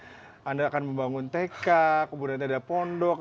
apakah anda akan membangun tk kemudian ada pondok